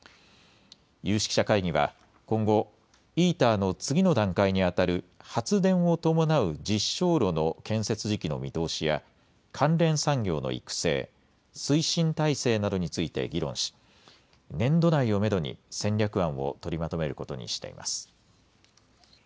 有識者会議は、今後、ＩＴＥＲの次の段階に当たる発電を伴う実証炉の建設時期の見通しや、関連産業の育成、推進体制などについて議論し、年度内をメドに戦略案を取りまとめることにしています。